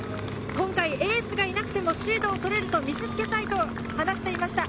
今回エースがいなくてもシードを取れると見せつけたいと話していました。